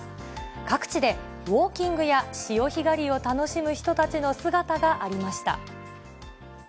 各地でウォーキングや潮干狩りを楽しむ人たちの姿がありました。